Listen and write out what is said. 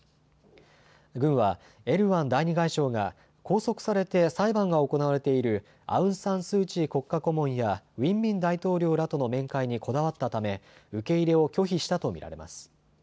軍はエルワン第２外相が拘束されて裁判が行われているアウン・サン・スー・チー国家顧問やウィン・ミン大統領らとの面会にこだわったため受け入れを拒否したと見られます。